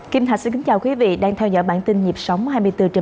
kim thạch xin kính chào quý vị đang theo dõi bản tin nhịp sống hai mươi bốn h